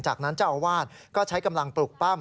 จากนั้นเจ้าอาวาสก็ใช้กำลังปลุกปั้ม